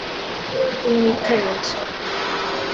তুমি মিথ্যে বলছো।